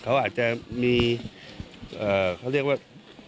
อาจจะมีอ่าเขาเรียกว่า